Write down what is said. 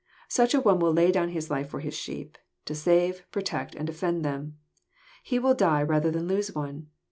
Such an one will lay down his life for his sheep, to save, protect, and defend them. He will die rather than lose one.